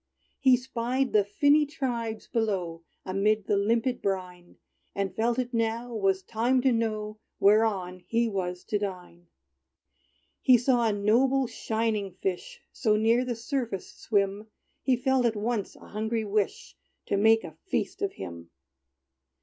He spied the finny tribes below, Amid the limpid brine; And felt it now was time to know Whereon he was to dine. He saw a noble, shining fish So near the surface swim, He felt at once a hungry wish To make a feast of him.